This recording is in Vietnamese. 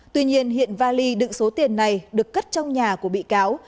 tuy nhiên hiện vali đựng số tiền này được cất trong nhà của bị cáo